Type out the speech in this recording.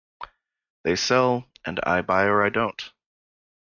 They sell and I buy or I don't.